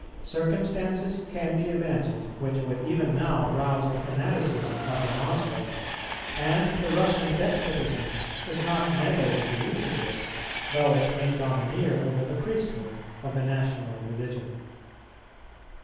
Circumstances can be imagined which would even now rouse the fanaticism of the Moslem; and the Russian despotism does not meddle with the usages, though it may domineer over the priesthood, of the national religion.